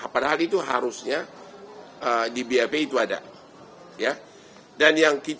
padahal itu harusnya di bap itu ada